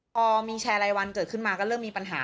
พอมีแชร์รายวันเกิดขึ้นมาก็เริ่มมีปัญหา